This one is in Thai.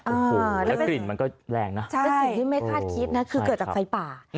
โอ้โหแล้วกลิ่นมันก็แรงนะแล้วสิ่งที่ไม่คาดคิดนะคือเกิดจากไฟป่า